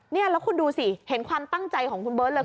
นี่แล้วคุณดูสิเห็นความตั้งใจของคุณเบิร์ตเลย